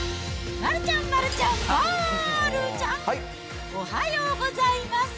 丸ちゃん、丸ちゃん、まーるちゃん、おはようございます。